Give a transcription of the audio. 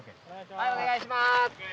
はいお願いします。